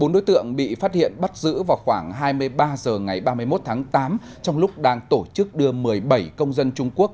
bốn đối tượng bị phát hiện bắt giữ vào khoảng hai mươi ba h ngày ba mươi một tháng tám trong lúc đang tổ chức đưa một mươi bảy công dân trung quốc